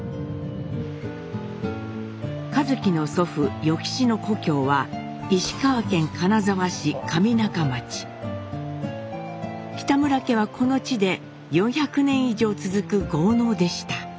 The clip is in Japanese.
一輝の祖父与吉の故郷は北村家はこの地で４００年以上続く豪農でした。